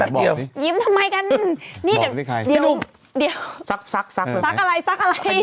แป๊บเดียวยิ้มทำไมกันนี่เดี๋ยวเดี๋ยวซักอะไรซักอะไรขยี้